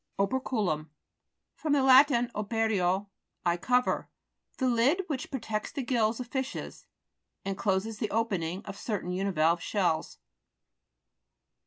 OPE'RCULUM fr. lat. operio, I cover. The lid which protects the gills of fishes, and closes the opening of certain univalve shells.